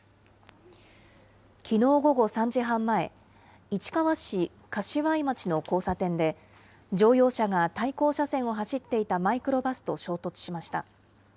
きのう午後３時半前、市川市柏井町の交差点で、乗用車が対向車線を走っていたマイクロバスと衝突しました。